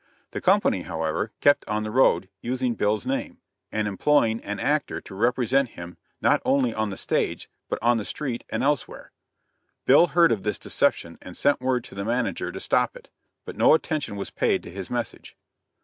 The company, however, kept on the road, using Bill's name, and employing an actor to represent him not only on the stage but on the street and elsewhere. Bill heard of this deception and sent word to the manager to stop it, but no attention was paid to his message.